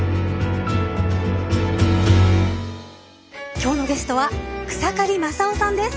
今日のゲストは草刈正雄さんです。